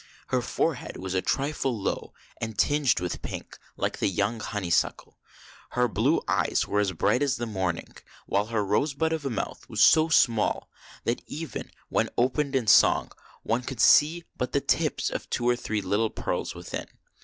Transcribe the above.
Her forehead was a trifle low, and tinged with pink, like the young honeysuckle ; her blue eyes were as bright as the morning; while her rosebud of a mouth was so small that, even when opened in song, one could see but the tips of two or three little pearls within.